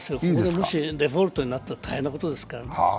もしデフォルトになったら大変なことですからね。